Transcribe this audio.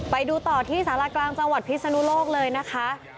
ไปดูต่อที่สารากลางจังหวัดพิศนุโลกเลยนะคะ